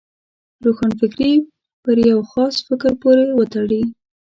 روښانفکري پر یو خاص فکر پورې وتړي.